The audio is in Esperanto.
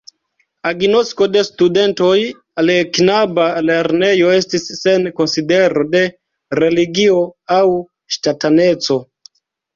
Agnosko de studentoj al knaba lernejo estis sen konsidero de religio aŭ ŝtataneco.